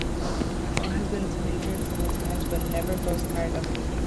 Paul has been to Madrid several times, but he never grows tired of it.